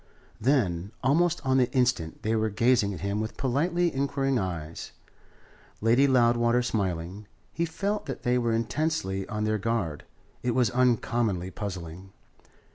Then, almost on the instant, they were gazing at him with politely inquiring eyes, Lady Loudwater smiling. He felt that they were intensely on their guard. It was uncommonly puzzling.